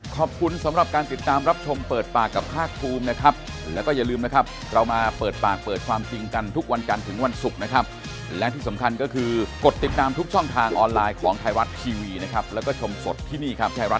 ขอบคุณอาจารย์สมชัยครับขอบคุณอีกคุณเจษฐกร